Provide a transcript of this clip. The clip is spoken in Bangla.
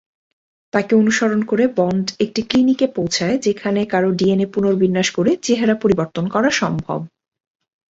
তাকে অনুসরণ করে বন্ড একটি ক্লিনিকে পৌছায় যেখানে কারো ডিএনএ পুনর্বিন্যাস করে চেহারা পরিবর্তন করা সম্ভব।